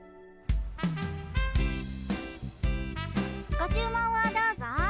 ご注文をどうぞ。